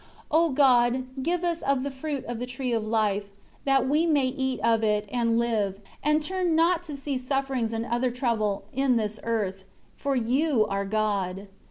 8 O God, give us of the fruit of the Tree of Life, that we may eat of it, and live, and turn not to see sufferings and other trouble, in this earth; for You are God.